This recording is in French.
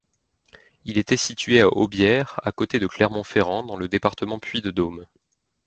Il était situé à Aubière, à côté de Clermont-Ferrand dans le département Puy-de-Dôme.